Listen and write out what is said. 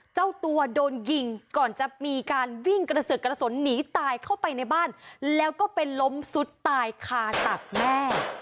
เจ้าตัวโดนยิงก่อนจะมีการวิ่งกระสือกระสนหนีตายเข้าไปในบ้านแล้วก็ไปล้มสุดตายคาตักแม่